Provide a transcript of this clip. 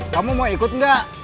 kamu mau ikut enggak